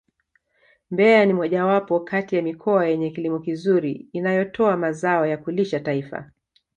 Mbeya ni mojawapo kati ya mikoa yenye kilimo kizuri inayotoa mazao ya kulisha taifa